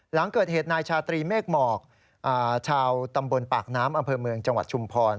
หลังเกิดเหตุนายชาตรีเมฆหมอกชาวตำบลปากน้ำอำเภอเมืองจังหวัดชุมพร